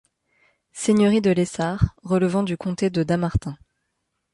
Seigneurie de Lessart relevant du comté de Dammartin.